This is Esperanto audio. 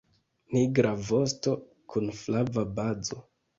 Nigra vosto kun flava bazo.